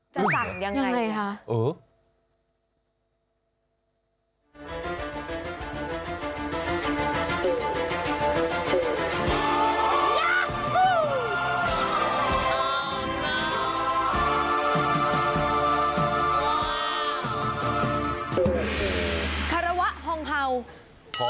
จะสั่งยังไงนะอย่างไรฮะอย่างไรฮะอย่างไรฮะ